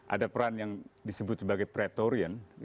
ada peran yang disebut sebagai pretorian